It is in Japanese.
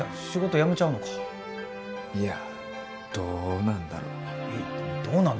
仕事辞めちゃうのかいやどうなんだろう